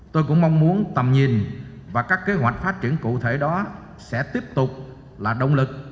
tôi cũng mong muốn tầm nhìn và các kế hoạch phát triển cụ thể đó sẽ tiếp tục là động lực